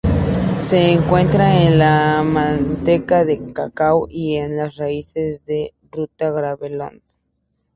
Se encuentra en la manteca de cacao y en las raíces de "Ruta graveolens".